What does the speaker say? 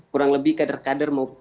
kurang lebih kader kader